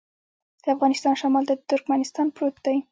د افغانستان شمال ته ترکمنستان پروت دی